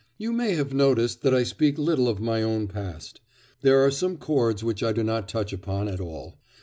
you may have noticed that I speak little of my own past. There are some chords which I do not touch upon at all.